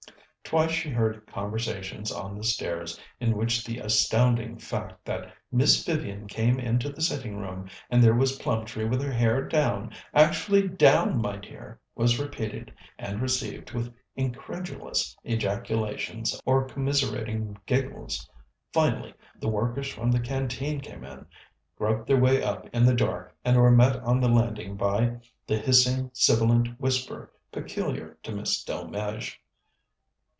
Twice she heard conversations on the stairs, in which the astounding fact that "Miss Vivian came into the sitting room, and there was Plumtree with her hair down, actually down, my dear," was repeated, and received with incredulous ejaculations or commiserating giggles. Finally, the workers from the Canteen came in, groped their way up in the dark, and were met on the landing by the hissing, sibilant whisper peculiar to Miss Delmege.